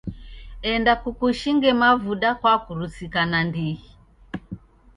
Enda kukushinge mavuda kwakurusika nandighi.